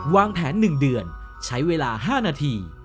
วางแผน๑เดือนใช้เวลา๕นาที